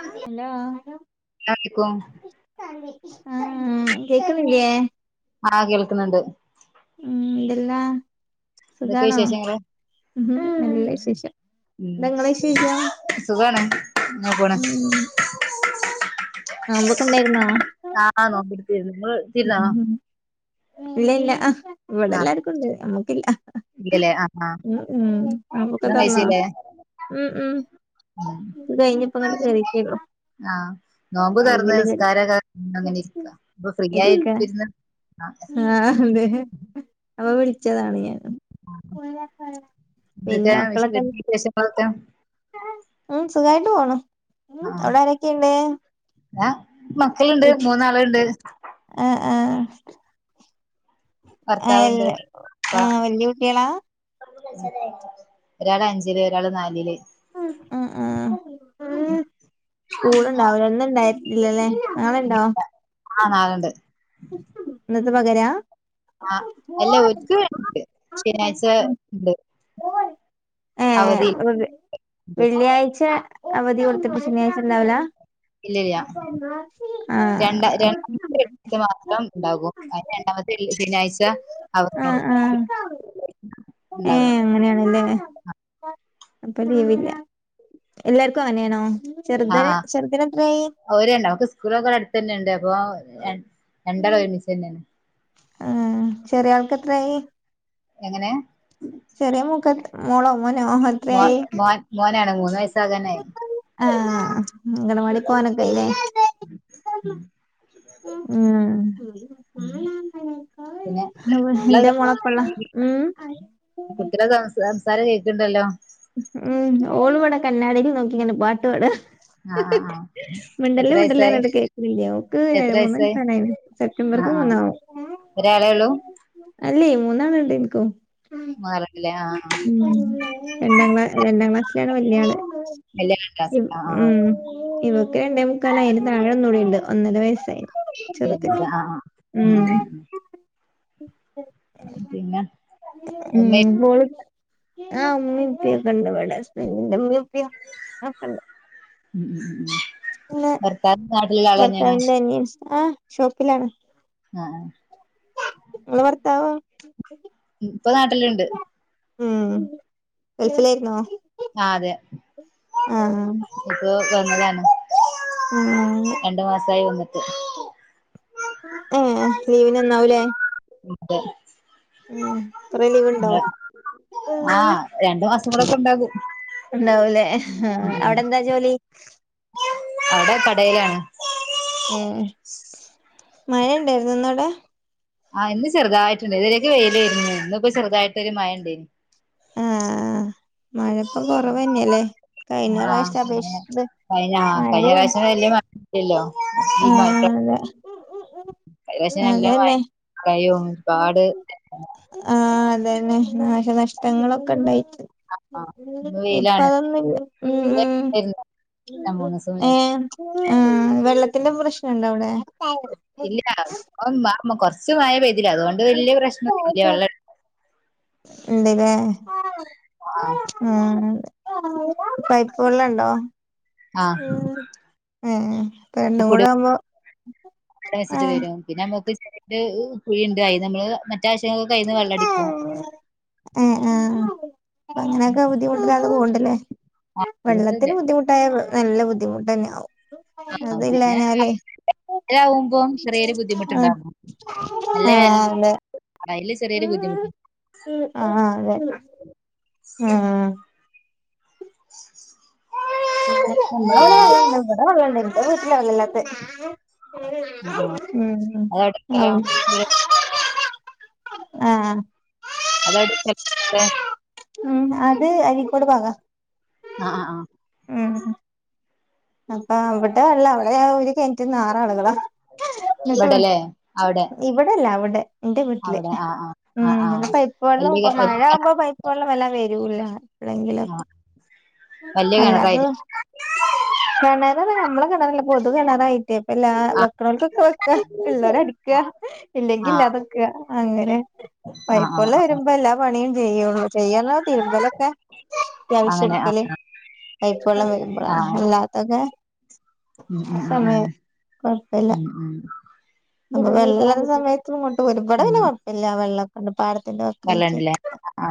[unintelligible] ക്കും ഉം കേക്കുന്നില്ല്യേ ആഹ് കേൾക്കുന്നുണ്ട് ഉം എന്തെല്ലാ എന്തൊക്കെ സുഖാണോ വിശേഷങ്ങള് ഉം നല്ല വിശേഷം ഉം എന്താ ഇങ്ങളെ വിശേഷം സുഖാണ് അങ്ങനെ പോണ് ഉം നോമ്പൊക്കെ ഉണ്ടായിരുന്നോ ആഹ് നോമ്പ് പിടിച്ചിര്ന്ന് നിങ്ങള് പിടിച്ചിരുന്നോ ഇല്ല ഇല്ല ഇവിടെ ആഹ് എല്ലാർക്കും ഉണ്ട് നമ്മക്കില്ല ഇല്ലല്ലേ ആഹ് ആഹ് ഉം ഉം നോമ്പൊക്കെ ഭക്ഷണം തൊറന്ന കഴിച്ചില്ലേ ഉം ഉം ഉം അത് കഴിഞ്ഞ് ഇപ്പം അങ്ങട്ട് കേറീട്ടേ ഉള്ളു ആഹ് നോമ്പ് തൊറന്ന് നിസ്കാരൊക്കെ അങ്ങനെ ഇരിക്ക ഇപ്പം ഫ്രീ ഇരിക്ക ആയിട്ടിരുന്ന് ആഹ് ആഹ് അതെ അപ്പം വിളിച്ചതാണ് ഞാനും പിന്നെ എന്തൊക്കെ വിശേ മക്കളൊക്കെ വീട്ടിലെ വിശേഷങ്ങളൊക്കെ ഉം സുഖായിട്ട് പോണു ഉം അവിടെ ആരൊക്കെയുണ്ട് ആഹ് മക്കളുണ്ട് വീട്ടിൽ മൂന്നാളുണ്ട് ആഹ് ആഹ് ആയ് ഭർത്താവുണ്ട് ഇപ്പ ആഹ് വല്ല്യ കുട്ട്യളാ ഒരാള് അഞ്ചില് ഒരാള് നാലില് ഉം ഉം സ്കൂള് ഉണ്ടാവില്ല ഇന്ന് ഉണ്ടായിരുന്നില്ലല്ലേ നാളെ ഉണ്ടോ ആഹ് നാളെ ണ്ട് ഇന്നത്തെ പകരാ ആഹ് അല്ല ഓര്ക്ക് ഉണ്ട് ശനിയാഴ്ച ഉണ്ട് ഏഹ് ഒര്, വെള്ളിയാഴ്ച അവധി കൊട്ത്ത്ട്ട് ശനിയാഴ്ചണ്ടാവൂലാ, ഇല്ലല്ല ആഹ് [inaudible] മാത്രം ഉണ്ടാകും [unintelligible] ഇണ്ടാകും. അയ്ന് രണ്ടാമത്തെ ശനിയാഴ്ച ആഹ് ആഹ് [unintelligible] ഇണ്ടാകും ഏഹ് അങ്ങനെയാണ്ലേ. അപ്പം ലീവില്ല. എല്ലാർക്കു അങ്ങനേണോ? ചെർത് ചെർതിനെത്രയായീ? ഓര് രണ്ട്. ഓൽക്ക് സ്കൂളൊക്കെ ഇവ്ടെ അട്ത്തന്നെണ്ട് അപ്പോ, രൺ രണ്ടാളും ഒരുമിച്ചന്നേണ്. ഏഹ്, ചെറിയാൾക്കെത്രായീ? എങ്ങനെ? ചെറിയ മോക്ക് എത് മോളോ മോനോ മോൻ എത്രയായി മോൻ മോനാണ്, മൂന്നെയ്സ്സാകാനായി. ആഹ്, അങ്കനവാടീ പോകാനൊക്കായിലേ? ഉം ഏഹ് ഉം പിന്നെ ഹവേ ഇന്റെ കുട്ടികളെ മാപ്പള ഊം കുട്ടികളെ സംസ സംസാരം കേക്ക്ണ്ടല്ലോ. ഉം ഓള് വടെ കണ്ണാടീല് നോക്കിങ്ങനെ പാട്ട്പാടാ ആഹ് ആഹ് ആഹ് എത്ര മുണ്ടല്ലെ വയസായി മുണ്ടല്ലേർഞ്ഞ്ട്ട് കേക്ക്ണില്ല്യ. ഓക്ക് ര എത്ര വയസായി മൂന്നെയ്സാകാനായിണ്. ആഹ് സെപ്റ്റംബർക്ക് ആഹ് മൂന്നാവും. ഒരാളെ ഉള്ളൂ? അല്ലേ മൂന്നാള്ണ്ട് ഇൻക്കും. മൂന്നാളല്ലേ ആ ഉം രണ്ടാം ക്ലാ രണ്ടാം ക്ലാസ്സിലാണ് വല്യാള്. വല്യ ക്ലാസ് ആ ആ ഉം ഇവക്ക് രണ്ടേ മുക്കാലായി. അതിൻ്റെ താഴെ ഒന്നൂടിണ്ട്, ഒന്നര വയസ്സായി. ചെറുതിന് [unintelligible] ആഹ് ആഹ് ഉം ഉം ഉം പിന്നെ ഉമ്മയും ഉം ഓള്, ആ ഉമ്മിം ഉപ്പ്യൊക്കെണ്ട് വടെ. ഹസ്ബെൻ്റിൻ്റെ ഉമ്മിം [unintelligible] ഉം ഉം ഉം ഭർത്താവ് നാട്ടില്ള്ളാളെന്നേണോ? നേഴ്‌സ് ആഹ് ഷോപ്പിലാണ്. നിങ്ങളെ ഭർത്താവ് ഇപ്പ നാട്ടില്ണ്ട്. ഉം ഗൾഫിലായിര്ന്നോ? ആഹ് അതെ, ഇപ്പോ വന്നതാണ്. ആഹ് രണ്ട് മാസായി വന്ന്ട്ട്. ഏഹ്, ലീവിന് വന്നാവുലേ? [unintelligible] ഉം കൊറേ ലീവ് ണ്ടോ? ആഹ്, രണ്ടു മാസം കൂടെക്കെ ഇണ്ടാകും. ഇണ്ടാവുലേ ആഹ്. അവ്ടെന്താ ജോലി? അവ്ടെ കടേലാണ്. ഏഹ്, മയണ്ടായിര്ന്നോ ഇന്നവ്ടെ? ആഹ് ഇന്ന് ചെറുതായിട്ടുണ്ടായ്ര്ന്നു. [unintelligible] വെയിലേയ്ര്ന്നു. ഇന്ന് ഇപ്പ ചെറുതായിട്ടൊരു മഴണ്ടേയ്രുന്നു. ആഹ് മഴപ്പം കൊറവന്നേലേ. കഴിഞ്ഞ പ്രാവശ്യത്തെ അപേക്ഷിച്ച് കഴിഞ്ഞാ കഴിഞ്ഞ പ്രാവശ്യം വല്യ മഴല്ലല്ലോ. ഈ പ്രാവശ്യ ആഹ് അതെ കഴിഞ്ഞ പ്രാവശ്യം നല്ല അതന്നെ മഴ് [unintelligible] കാട് ആഹ് അതെന്നെ. നാശനഷ്ടങ്ങളൊക്കെണ്ടായിട്ട് ആഹ് ഇന്ന് വെയിലാണ് ഇപ്പതൊന്നുല്ല. ഉം ഉം മൂന്ന് ദിവസം മുന്നേ ഏഹ്, വെള്ളത്തിന്റെ പ്രശ്നണ്ടവ്ടെ? [unintelligible] ഇല്ല [unintelligible] കൊർച്ച് മഴ പെയ്തിലേ അതുകൊണ്ട് അത് വല്യയ പ്രശ്നം ഒന്നുല വെള്ളം എട ആഹ് ഉം പൈപ്പ് വെള്ളമുണ്ടോ ആഹ് ഏഹ് അപ്പ രണ്ടും കൂടെ ആവുമ്പോ വച്ചിട്ട് ആഹ് വരും പിന്നെ നമുക്ക് ചെറിയ ഒരു കുഴിയുണ്ട് അതിന് നമ്മള് മറ്റ് ആവശ്യങ്ങൾ അതിൽ നിന്ന് മറ്റും വെള്ളം എടുക്കും ആഹ് ആഹ് അപ്പോ അങ്ങനെയൊക്കെ ബുദ്ധിമുട്ടില്ലാതെ പോണോണ്ട് ല്ലേ ആഹ് ബുദ്ധിമുട്ടില്ല വെള്ളത്തിന് ബുദ്ധിമു ട്ടായ നല്ല ബുദ്ധിമുട്ടെന്നെ ആവും അതില്ലാന്നാലേ വഴ ആവുമ്പോം ചെറിയൊരു ബുദ്ധിമുട്ടുണ്ടാവുന്നു നല്ല വേന ആഹ് അതെ അയ്ല് ചെറിയൊരു ബുദ്ധിമു ഉം ആഹ് ആഹ് അതെ ആഹ് പിന്നെ നമ്മടെവടെ വള്ളണ്ട് ആഹ് ഇവിടെ വള്ളണ്ട് എന്റെ വീട്ടിലാ വള്ളല്ലാത്തെ ആഹ് ഉം അതെവിടെക്കലോ ആഹ് ഇവിടെ ആഹ് അതവിടെ ഉം അത് അരിക്കോട് ഭാഗ ആഹ് ആഹ് ആഹ് അപ്പൊ അവിടെ അല്ല അവിടെ ഒര് കെ റ്റന്ന് ആറാളുകളാ എന്നിട്ട് ഇവിടെല്ലേ അവിടെ ഇവിടെല്ല അവിടെ എന്റെ വീട്ടില് അവിടെ ആ ആ ആ ഉം ആ ന്നാ പൈപ്പ് വെള്ളം വല്യ ഇപ്പ മഴ വല്യ ആകുമ്പോ പൈപ്പ് വെള്ളം വല്ലാതെ വരൂല. ആ എപ്പളേങ്കിലൊക്കെ വല്യ അല്ലാതു കിണറായിരിക്കും കെണറൊന്നും നമ്മെളെ കെണറല്ല പൊതു കെണറായിട്ടേ അപ്പല്ലാ ആ വെക്കണോൽക്കൊക്കെ വെക്കാ ഉള്ളവരടിക്ക ഇല്ലെങ്കിൽ ഇല്ലാതെ ആ വക്ക അങ്ങനെ ആ ആ പൈപെള്ളം ആ വരുമ്പോ എല്ലാം പണിയും ചെയ്യുള്ളൂ ചെയ്യല്ലോ തിരുമ്പലൊക്കെ അങ്ങനെ ആ അത്യാവശ്യടുക്കല് പൈപ്പോള്ളം ആ വരുമ്പളാണ്. അല്ലാത്തകെ ഉം അഹ് ഉം ഉം സമയയി ഉം കൊഴപ്പല്ല ഉം ഉം അപ്പൊ വെള്ളല്ലാത്ത സമയത്ത് ഇങ്ങോട്ടു വരും ഇബടെ പിന്നെ ഉം കുഴപ്പമില്ല വെള്ളക്കെണ്ട് പാടത്തിന്റെ വക്കായിട്ട് വെള്ളണ്ട്ല്ലേ ആ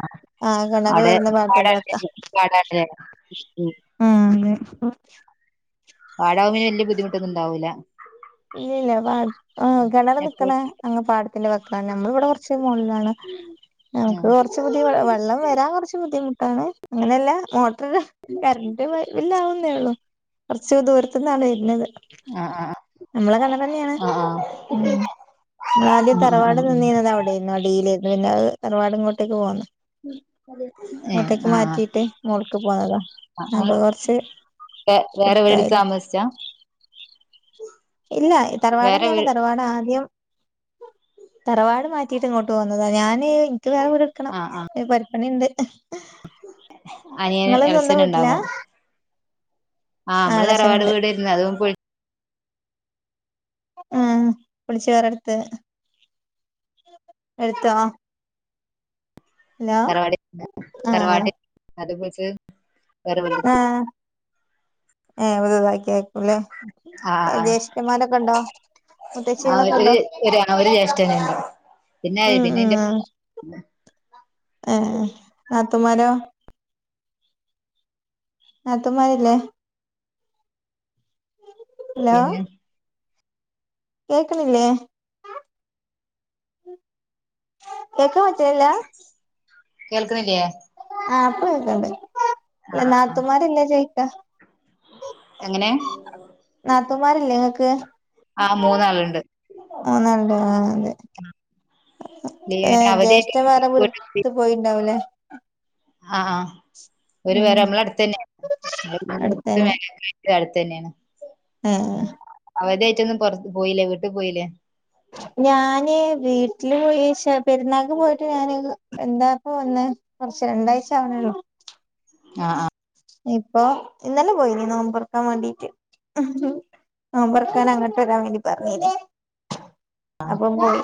ആഹ് കെണറ് അവിടെ വരുന്ന പാടത്തിന്റെ വക്ക പാടാണ്ല്ലേ പാടാണ്ല്ലേ ഉം ആന്ന് പാടാകുമ്പോ പിന്നെ വല്യ ബുദ്ധിമുട്ടൊന്നും ഉണ്ടാവൂല്ല. ഇല്ല പ ഉം കെണറ് നിക്കണ അങ്‌ പാടത്തിന്റെ വക്കാണ് നമ്മൾ ഇവിടെ കൊറച്ച് മോളിലാണ്. നമുക്ക് കുറച്ച് ബുദ്ധി വെള്ളം വരാൻ കുറച്ച് ബുദ്ധിമുട്ടാണ് അങ്ങനെയല്ല മോ ട്ടർ കറണ്ട് ബില്ലാവുന്നേ ഉള്ളൂ കൊറച്ച് ദൂരത്തുന്നാണ് വരുന്നത്. ആഹ് ആഹ് ആഹ് നമ്മളെ കെണറെന്നെ ആണ് ഉം നമ്മള് ആദ്യം ഉം ഉം തറവാട് ഉം ഉം നിന്നീന്നത് അവിടെരു അഡീലേരുന്നു പിന്നെ അത് തറവാട് ഇങ്ങോട്ടേക്ക് പോന്നതാ. ഏ ഇങ്ങോട്ടേക്ക് ആ ആ മാറ്റിയിട്ട് ഇങ്ങോൾക്ക് പോന്നതാ അപ്പൊ കൊറച്ച് വെ വേറെവിടെടുത്ത് എടുത്തായതാ താമസിച്ചാ ഇല്ല ഈ വേറെ വീ തറവാടെന്നെണ് തറവാടാദ്യം തറവാട് മാറ്റിയിട്ട് ഇങ്ങോട്ട് പോന്നതാ ഞാന് ഇക്ക് വേറെ വീടെടുക്കണം ആഹ് ആഹ് പെരപ്പണിണ്ട്. അനിയൻ ഇങ്ങള് എളച്ചൻ സ്വന്തം വീട്ടിലാ ഇണ്ടാകും ആഹ് ആ നമ്മള് തറവാട് എളച്ചനുണ്ട് വീടേരുന്നു അത് പൊ ഉം പൊളിച്ച് വേറെ എടുത്ത് എടുത്തോ ഹലോ തറവാടിന്ന് ആ തറവാടി അത് പൊളിച്ച് വേറെ വീടെടുത്ത്. ഏഹ് ഒഴിവാക്കി അയിരിക്കൂല്ലേ ആഹ് ആഹ് ജ്യേഷ്ഠന്മാരൊക്കെണ്ടോ? ആഹ് ഒരു ഒരു ജേഷ്ഠനുണ്ട് പിന്നെ ഉം പിന്നെ എന്റെ ആ ആഹ് നാത്തൂന്മാരോ നാത്തൂന്മാരില്ലേ? പിന്നെ കേക്ക്ണില്ലേ? കേക്കാൻ പറ്റുന്നില്ല. കേൾക്ക് ണില്ലേ? ആ ഇപ്പ കേക്കണ്ട് ആഹ് ആഹ് നാത്തുൻമാരെന്ന ചോയിക്ക എങ്ങനെ നാത്തൂന്മാരില്ലേ ങ്ങൾക്ക് ആമൂന്നാളുണ്ട് ഏ ജ്യേഷ്ഠൻ വേറെ വീട്ടിൽ വീടെടുത്ത് പോയിണ്ടാവൂലേ ആഹ് ആ ഒരു ഉം വരെ നമ്മള അടുത്ത തന്നെയ അടുത്തന്നെ [unintelligible] ഇ അടുത്ത് തന്നെയാണ് ഉ ഏഹ് അവതായിട്ടൊന്നും പുറത്ത് പോയില്ലേ വീട്ടിൽ പോയില്ലേ ഞാന് വീട്ടില് പോയി ശേ പെരുന്നാൾ പോയിട്ട് ഞാന് എന്താപ്പോ വന്ന് കുറച്ച് രണ്ടാഴ്ച ആവണള്ളൂ ആഹ് ആഹ് ഇപ്പൊ ഇന്നലെ പോയിനീ നോമ്പറക്കാൻ വേണ്ടീട്ട് നോമ്പറക്കാൻ അങ്ങോട്ട് വരാൻ വേണ്ടി പറഞ്ഞിന് അപ്പംപോയി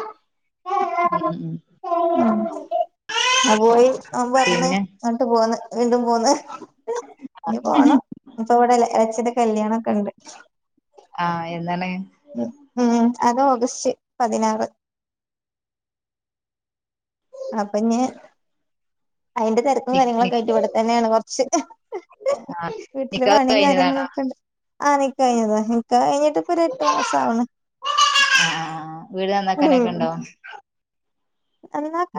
ഉം ഉം ഉം ആ പോയി അവൻ വന്ന് പിന്നെ എന്നിട്ട് പോന്ന് വീണ്ടും പോന്ന ഇനി പോണം ഇപ്പ ഇവിടെല്ല എളച്ചന്റെ കല്യാണം ഒക്കെ ഉണ്ട് ആഹ എന്നാണ് ഉ ഉം അത് ഓഗസ്റ്റ് പതിനാറ് അപ്പൊ നീ അയിന്റെ തെര നി നി കാര്യങ്ങളൊക്കെ ആയിട്ട്ഇവിടെ തന്നെയാണ് കൊറച്ച് ആ വീട്ടില് നിക്കാഹ് പണിയും കഴിഞ്ഞതാണോ കാര്യങ്ങളൊക്കെണ്ട് ആഹ നിക്കാഹ് കഴിഞ്ഞതാ നിക്കാഹ് കഴിഞ്ഞ തി പൊരു എട്ട് ആ മാസാവണ് ആ ആ വീട് ഉം നന്നാക്കാനൊക്കെ ഉണ്ടോ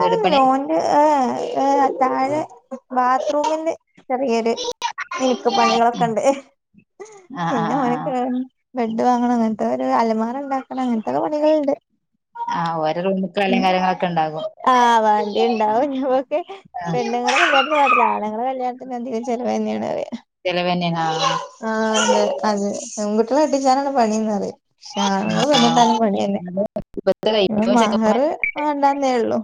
വീട് പണി ഓന്റെ ഏഏ താഴെ ബാത്ത്റൂമിന്റെ ചെറിയൊരു മിനക്ക് പണികളൊക്കെ ഉണ്ട് ആ ആ പിന്നെ ആ ആ ഓന്ക്ക് ബെഡ് വാങ്ങണം അങ്ങനത്തെ ഒരു അലമാറണ്ടാക്ക ആ ഓരോ റൂമിൽ ഉം കളയും കാര്യങ്ങളൊക്കെ ഉണ്ടാകും ആ വണ്ടി ഉണ്ടാവും [unintelligible] ആ പെണ്ണുങ്ങടെ കല്യാത്തിന് മാത്രല്ല ആണുങ്ങടെ കല്യാണത്തിന് എന്തിനും ചിലവ തന്നെയാണ് അറുക വന്നെ ആ ആഹ് അതെ അതെ ൻകുട്ടികള കട്ടിച്ചാനാണ് പണിന്ന്റ ക്ഷ ആണങ്ങൾ ആ പെണ്ണ് കെട്ടാനും പണിയന്നെ ഇപ്പത്തെ കൈ- ഇപ്പ ഇപ്പൊ മഹർ ചെക്കന്മാർ വേണ്ടന്നേ ഉള്ളു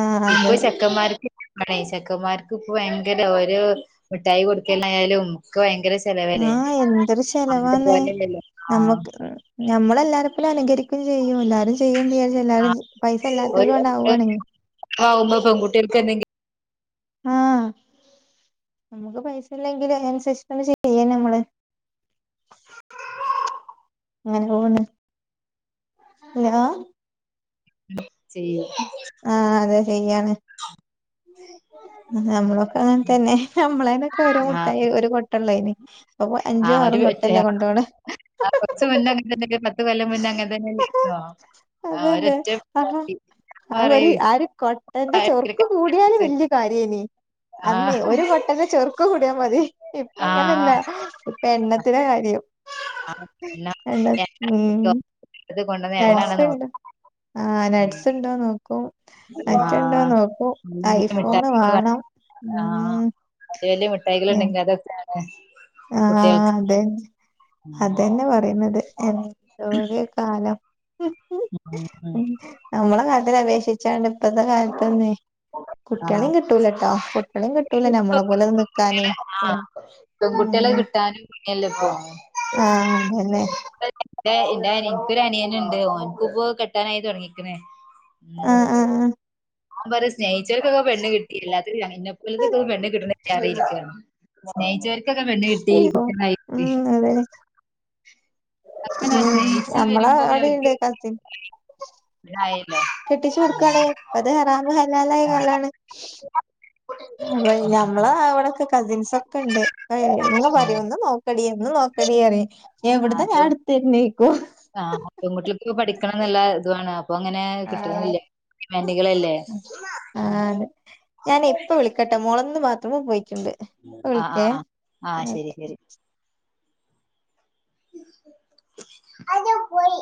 ആഹ് ഇപ്പൊ അതെ ചെക്കന്മാർക്ക് മണേ ചെക്കന്മാർക്ക് ഇപ്പ ഭയങ്കര ഒരു മിഠായി കൊടുക്കലായാലും നിക്ക് ഭയങ്കരചെലവാൻ ആ എന്തൊരു ചെലവാന്ന് ആ നമ്മക്ക് ഞമ്മളെല്ലാര പോുലുംനുകരിക്കയും ചെയ്യും എല്ലാരും ചെയ്യേണ്ടചാച്ച ആ എല്ലാരരും പൈസ എല്ലാത്ത പോലും ഉണ്ടാവുകവാണെങ്കിൽ ആഹ ഉമ്മ പെൺകുട്ടികൾക്ക് എന്തെങ്കിലും ആഹ നമുക്ക് പൈസ ഇല്ലെങ്കിൽ അനുസരിച്ച ചെയ്യ നമ്മള് അങ്ങനെ പോണ് ഹലോ ചെയ ആഹ അതെ ചെയ്യാണ് നമ്മള അങ്ങന തന്നെ നമ്മളനൊക്കെ ഒരു ആ മുട്ടായിഒരു കൊട്ട കട്ട അയിന് അപ്പ ആ അഞ്ചും ഒരു ആറും കൊ ഒറ്റ ട്ടല്ലേ കൊണ്ടണ ആ കൊറച്ചച മുന്നേ അങ്ങനെ തന്നെ പത്ത കൊല്ലം മുന്നേ അങ്ങനെ തന്നെ ആ അതന്നെ ഒരൊറ്റ ആ പെൺകുട്ടി. ഞാൻ ആ ഒരു പറയും ആ ഇപ്പൊ ഒരു കൊട്ടറെ ഭയങ്കര ചൊറുക്ക് കൂടിയാലും കാലത്ത് വല് കാരിയേനി ആ അന്നേ ഒരു കൊട്ടന്റെ ചെറുക്ക് കൂടിയാ മതി ഇപ്പ ആ അങ്ങനല്ല പെണ്ണത്തി നാ കാര്യം എന്നാ എണ്ണ ഉമ് ഇത് കൊണ്ടുവന്ന എണ്ണാണ് നട്ട്സുണ്ടോ ആഹ് നട്ട്സ് നോക്കുന്നത് ഉണ്ടോ നോക്ക ക്കും മറ്റുണ്ടോന്ന് ആ നോക്കും വലിയ ഐഫോണ് വാണം ഉം എലി മിഠായിളുണ്ടെങ്കി അത [unintelligible] ആഹ് അതന്നെ ഉം. അതന്നെ പറയുന്നത് എന്തോര് കാലം ഉം. മ്മ് നമ്മളെ കാലത്തിലെ അപേക്ഷിച്ചാണ് ഇപ്പഴത്തെ കാലത്തന്നെ ആ കുട്ടിആളീം കിട്ടൂലട്ടോ കുട്ടികളെ കിട്ടൂലേ ഇപ്പൊ ഞമ്മളെ പോലെ നിൽക്കാനേ കുട്ടികളെ ആ മ്മ് പെൺകുട്ടികളെ കിട്ടാനും ഇല്ലല്ലോ ഇപ്പൊ ആഹ് അതന്നെ ൻ്റെ എൻ്റനിയാനിക്കൊരു അനിയനുണ്ട് ഓൻക്ക്പ്പോ കെട്ടാനായി തൊടങ്ങിക്കണ് ആഹ് മ്മ് ആഹ് ഓമ്പറിയ സ്നേ ചോൽക്കക്കെ പെണ്ണ് കിട്ടില്ലാത്തൊരു ഇന്നെ പോലത്തൊക്കെ പെണ്ണെ കിട്ടന്നില്ലഅറഞ് ഇരിക്കാണ് സ്നേഹിച്ചവരക്കക്കെ പെണ്ണ് കിട്ടി കുട്ടിആളായി അതെ അങ്ങനെ മ്മ് സ്നേഹിച്ച് നമ്മളെ വരുമ്പോ പിന്നെ അടി ണ്ട് അവർക്ക് കസിൻ [unintelligible] കെട്ടിച്ച് കൊടുക്കാണ് ഇപ്പത് ഹറാമ് ഹലാലായ കാലാണ് ഇവിടെ ഉം ഉം ഞമ്മള ഉം. അവിടെക്കെ കസിൻസൊക്കെണ്ട് ദ എന്നും ഉം. പറയും ഒന്ന് നോക്കടി ഒന്ന് നോക്കടി പറയും എവട്ന്നാ ഞാനെടു തേര്ന് പ്പോ ആഹ് പെൺകുട്ടിആക്ക്പ്പോ പഠിക്കണന്നല്ല ഇതുവാണ് ഇപ്പൊ അങ്ങനെ ആഹ് കിട്ടുന്നില്ല ഡിമാന്റിങ്ങലല്ലേ ക്കെട്ട മോളൊന്ന് ബാത്ത്റൂമ് പോയിട്ട്ണ്ട് ഇപ്പ ആ വിളിക്കെ ആ ആ ആഹ് ശരി ശരി ഓക്കേ അത് പോയി